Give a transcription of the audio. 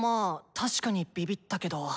確かにビビったけど。